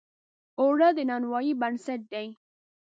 اوړه د نانوایۍ بنسټ دی